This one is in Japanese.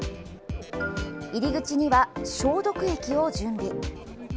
入り口には消毒液を準備。